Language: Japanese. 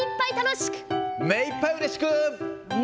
めいっぱいうれしく。